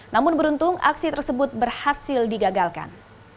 namun beruntung aksi tersebut berhasil digagalkan